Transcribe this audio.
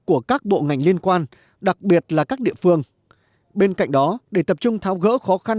của các bộ ngành liên quan đặc biệt là các địa phương bên cạnh đó để tập trung tháo gỡ khó khăn